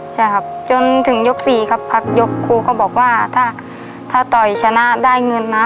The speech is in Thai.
ใช่ครับจนถึงยก๔ครับพักยกครูก็บอกว่าถ้าถ้าต่อยชนะได้เงินนะ